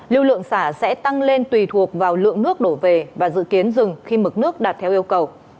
lưu lượng xả sẽ tăng lên tùy thuộc vào lượng nước đổ về và dự kiến dừng khi mực nước đạt theo yêu cầu